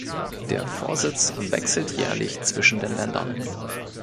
Der Vorsitz wechselt jährlich zwischen den Ländern.